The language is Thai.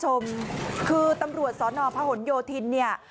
ต้องคือตำรวจสอนอภะห่นโยทินเนี่ย